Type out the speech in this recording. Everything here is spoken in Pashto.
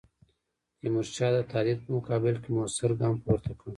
تیمورشاه د تهدید په مقابل کې موثر ګام پورته کړ.